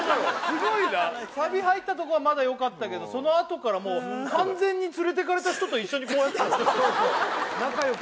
すごいなサビ入ったとこはまだよかったけどそのあとからもう完全に連れてかれた人と一緒にこうやってたよ